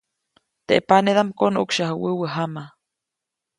Teʼ panedaʼm konuʼksyaju wäwä jama.